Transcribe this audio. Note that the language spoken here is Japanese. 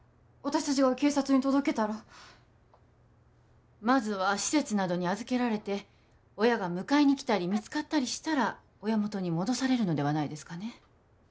私達が警察に届けたらまずは施設などに預けられて親が迎えに来たり見つかったりしたら親元に戻されるのではないですかね